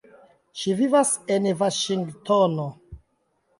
Ŝi vivas en Vaŝingtono.